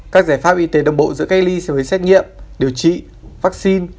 các giải pháp y tế đồng bộ giữa cây ly sẽ với xét nghiệm điều trị vaccine